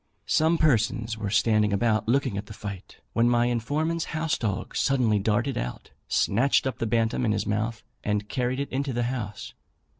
Some persons were standing about looking at the fight, when my informant's house dog suddenly darted out, snatched up the bantam in his mouth, and carried it into the house.